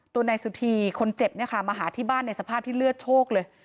ตัวนายสุธีคนเจ็บเนี่ยค่ะมาหาที่บ้านในสภาพที่เลือดโชคเลย